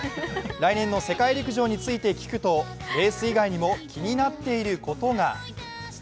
来年の世界陸上について聞くとレース以外にも気になっていることが。